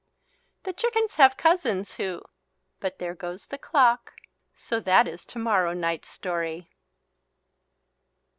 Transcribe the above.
The chickens have cousins who but there goes the clock so that is tomorrow night's story.